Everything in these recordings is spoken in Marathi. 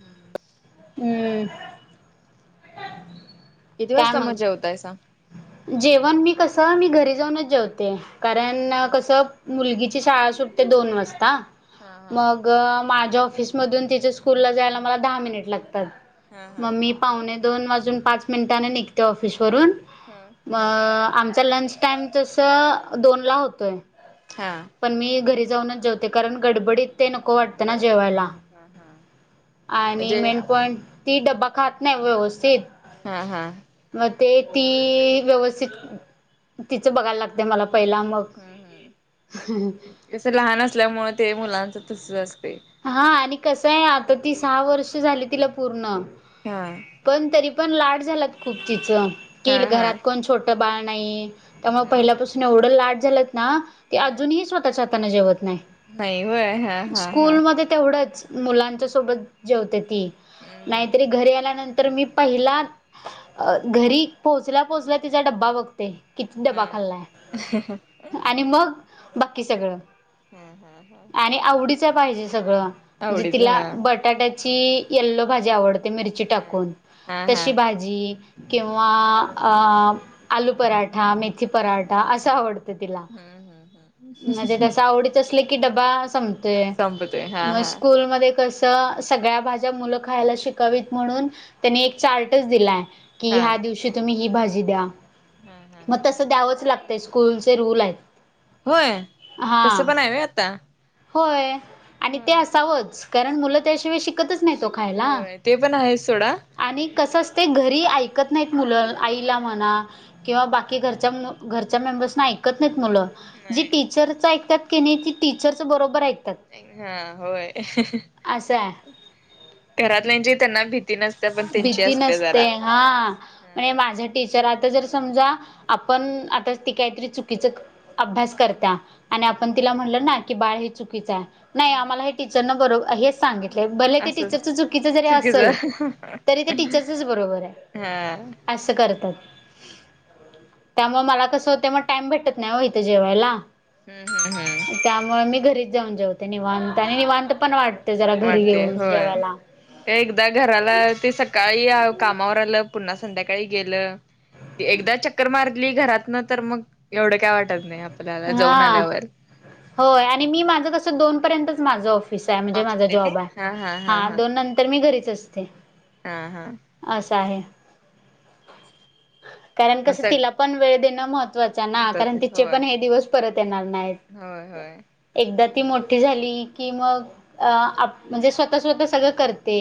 किती हम्म किती वाजता मग जेवतायसा जेवण मी कस मी घरी जाऊनच जेवते कारण होय. कस मुलगीची शाळा सुटते दोन वाजता हा हा. मग माझ्या ऑफिस मधून तिच्या स्कूलला जायला मला दहा मिनिट हा लागतात हा. मग मी पाऊणे दोन वाजून पाच मिनिटाने निघते ऑफिस वरून हम्म मग आमचा लंच टाइम तस दोन ला होतोय हा पण मी घरी जाऊनच जेवते कारण गडबडीत ते नको वाटतं ना जेवायला हा हा आणि म्हणजे मेन पॉइंट ती डब्बा खात नाही व्यवस्थित हा हा मग ते ती व्यवस्थित तिचं बघायला लागते मला पहिला मग हम्म हम्म कस लहान असल्यामुळे ते मुलांच तसच असते हा आणि कसं आहे आता ती सहा वर्ष झाली तिला पूर्ण हा पण तरी पण लाड झाला खूप तिच की हा हा. घरात कोण छोट बाळ नाही त्यामुळे हा पहिल्यापासून एवढं लाड झाले ना ते हा. अजूनही स्वतःच्या हाताने जेवत नाही नाही होय हा हा हा. स्कूलमध्ये तेवढंच मुलांच्यासोबत जेवते ती हम्म हम्म नाहीतरी घरी आल्यानंतर मी पहिला घरी पोहोचल्या पोहोचल्या तिचा डब्बा बघते किती हा डबा खाल्लाय आणि मग बाकी सगळं हम्म हम्म हम्म आवडीच पाहिजे सगळं म्हणजे हा तिला हा बटाट्याची यल्लो भाजी आवडते ते मिरची हा. टाकून. हा तशी हम्म भाजी किंवा अ आलू पराठा, मेथी पराठा असा आवड तिला. हम्म हम्म. म्हणजे तस आवडीच असले की डबा संपतोय. संपत. मग स्कूलमध्ये कस त सगळ्या भाज्या मुलं खायला शिकावीत म्हणून, त्यांनी एक चार्टच दिलाय. की हा. ह्या दिवशी तुम्ही ही भाजी द्या. हा हा मग हा. तसं द्यावंच लागत. ते स्कूलचे रूल आहेत. होय? हा तसं पण आहे व्हय आता? होय आणि ते हा. असावंच. कारण मुलं त्याशिवाय शिक होय ते पण आहेच सोडा. आणि कसं असते, घरी ऐकत नाहीत मुलं. आईला म्हणा किंवा बाकी घरच्या घरच्या मेंबर्सना ऐकत नाहीत मुलं. जी नाही टीचरच ऐकतात की नाही. ते टीचर बरोबर ऐकतात. ह होय. आसांय. घरातल्याची त्यांना भीती नसते. पण त्यांची असते जरा. हां. म्हणे हम् माझा टीचर आता जर समजा. आपण आता ती काहीतरी चुकीचं अभ्यास करता. आणि आपण तिला म्हणल ना की बाळ हे चुकीचाय. नाही आमला हे टीचरन बरो हेच सांगितलंय. भले ते असं टीचरचं चुकीचं जरी चुकीच असेल. हा तरी ते टीचर्सच बरोबरे. हम्म असं करतात. त्यामुळे मला कसं होतय. मग टाइम भेटत नाही ओ इथं जेवायला. हम्म हम्म हम्म. त्यामुळे मी घरीच जाऊन जेवते निवांत. आणि निवांत पण वाटते जरा घरी वाटते घेऊन होय जेवायला. एकदा घराला, ते सकाळी कामावर आलं. पुन्हा संध्याकाळी गेलं. एकदा चक्कर मारली घरातन तर मग, एवढं काय वाटत नाही. आपल्याला जाऊन हा आल्यावर होय आणि मी माझ कस, दोन पर्यंतच माझं ऑफिसाय. म्हणजे माझा असते काय जॉब हा हा हा हाय. हा दोन नंतर मी घरीच असते. हा हा असं आहे [inaudible] कारण काय, मग तिला पण वेळ देणं महत्त्वाचंय ना. कारण महत्वाचं तिचे होय पण हे दिवस परत येणार नाहीत. होय होय एकदा ती मोठी झाली की मग, अ आप म्हणजे स्वतः स्वतः सगळं करते.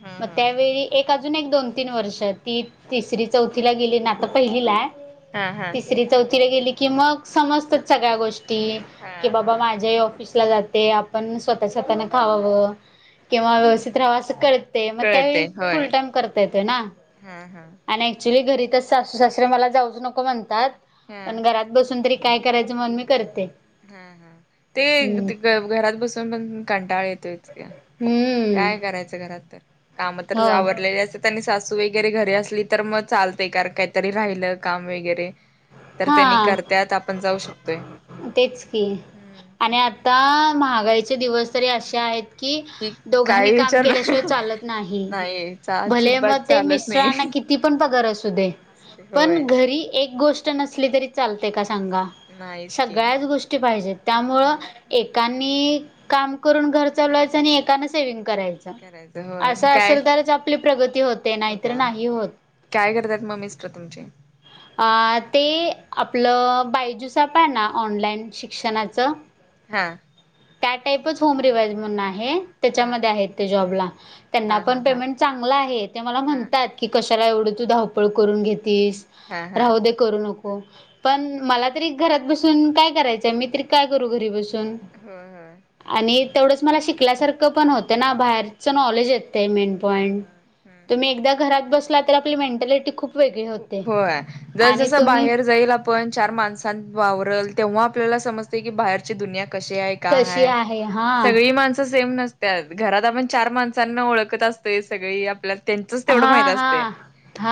हा मग हा त्यावेळी एक अजून एक दोन तीन वर्ष. ती तीसरी चौथला गेली ना. आता ती पहिलीलाय. हा हा तसरी चौथीला गेली की मग, समजतात सगळ्या गोष्टी. की हा बाबा हा माझे आई ऑफिस जाते. आपण स्वतः स्वतः खावाव. किंवा व्यवस्थित राहावा. अस कळ ते. मग त्यावेळी कळते फुल होय टाइम करता येतोय ना. हा हा आणि ऍक्च्युली घरीतच सासू सासरे मला जाऊच नको म्हणतात. हा पण घरात बसून तरी काय करायचं म्हणन मी करते. हा हा ते हम्म घरात बसून पण कंटाळा येतोइच की. हम्म काय करायचं घरात? तर काम तर हो आवरलेले अस त्यांनी सासू वगैरे घरी असली तर मग चालते. कारण काहीतरी राहिलं काम वगैरे. तर त्यांनी हा करत्यात. आपण जाऊ शकतोय. तेच की, हम्म आणि आता महागाईचे दिवस तरी असे आहेत. कि काही दोघांनी काम विचार केल्याशिवाय चालत नाही भले मग अजिबात ते चालत मिस््रां नाही [inaudible] कि ती पण पगार असू दे असू दे पण होय घरी एक गोष्ट नसली तरी चालते का सांगा नाहीच की सगळ्याच गोष्टी पाहिजेत. त्यामुळं हम्म एकानी काम करून घर चालवायचं, आणि एकानें सेव्हंग करायचं. करायचं होय असं मग काय असेल तरच, आपली प्रगती होते. नाहीतर होत्या नाही होत. काय करतात, मग मिस्टर तुमचे? [inaudible] पाठ ते आपलं बायजूसप आहे ना, ऑनलाईन शिक्षणाचं. हा... त्या टाईपच होम रिवइज म्हण आहे. हा त्याच्यामध्ये आहेत. ते जॉबला. त्यांना हा हा पण हा पेमेंट चांगलं आहे. ते मला हा म्हणतात की, कशाला एवढं तू धावपळ करून घेतीस. हा हा राहो दे.. करू नको. पण मला तरी घरात बसून काय करायचं, मी तरी काय करू? घरी बसून. हो.. हो.. आणि तेवढंच मला शिकल्यासारखं पण होतं. ना बाहेरचं नॉलेज येत. [inaudible] में हा.. हा... हम घरात बसला तर, आपली मेंटॅलिटी खूप वेगळी होते. जर आणि जसं तुम्ही बाहेर जाईल. आप [inaudible] आपण चार माणसां वावरल, तेव्हा आपल्याला समजते की, बाहेरची दुनिया कशी आहे. का कशी आहे हा सगळी माणसं सेम नस [inaudible] त्या घरात आपण चार माणसांना ओळखत असतोय. सगळी [inaudible] ला त्यांचच तेवढं हा माहित हा असते.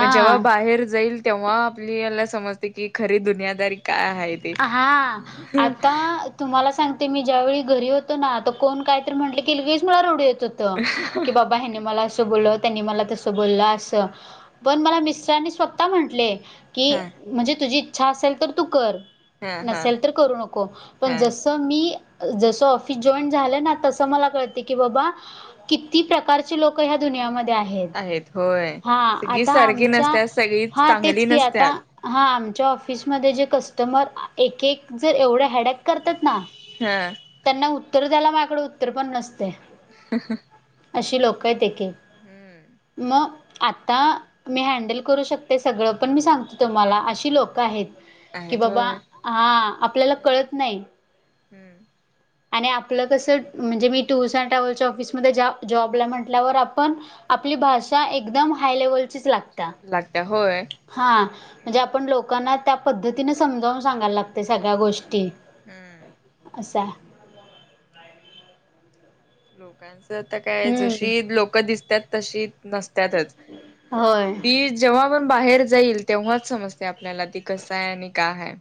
पण जेव्हा बाहेर जाईल. तेव्हा आपली याला समजते की, खरी दुनियादारी काय आहेत. हां... आता तुम्हाला सांगते मी ज्यावेळी घरी होतो. ना तर कोण काय तरी म्हटलं की, वेळीस मला [inaudible] क बाबा ह मला [inaudible] त्यांनी म [inaudible] तस [inaudible] ब अस पण म मिस्टरांनी स्वतः म्हट [inaudible] की हा म्हणजे, तुझी इच्छा असेल तर तू कर. हा हा नसेल तर करू नको पण हा जस मी जसं ऑफिस जॉईन झालं ना, तसं मला कळते. की बाबा किती प्रकारचे लोक ह्या दुनियामध्ये आहेत. होय हा, सगळी आता सारखी आमच्या नसतात सगळीच हा तेच चांगली कि, आता नसतात हा, आमच्या ऑफिसमध्ये जे कस्टमर एक एक जर एवढे हॅडॅक करतात, ना हा... त्यांना उत्तर द्यायला. माझकडें उत्तर पण नसते. ह.... अशी लोक आहेत. तेे [inaudible] [inaudible] म [inaudible] आता, मी हँडल करू शकते सगळं. पण मी सांगतो तुम्हाला, अशी लोकं आहेत. की, आहेत बाबा होय हा आपल्याला कळत नाही. हम्म... आणि आपलं कसं, म्हणजे मी टूर्स अँड ट्रॅव्हल्च्या, ऑफिसमध्ये जॉबला म्हटल्यावर, आपण आपली भाषा एकदम हाय लेवलचीच लागते. लागत्या... होय. हा म्हणजे, आपण लोकांना त्या पद्धतीने समजावून सांगायला लागते. सगळ्या गोष्टी हम्म... असा आहे. लोकांचं आता काय हम्म जशी लोकं दिसत्यात तशी नसत्यातच होय ती जेव्हा आपण बाहेर जाईल तेव्हाच समज तय आपल्याला ते कसं हाय आणि काय हाय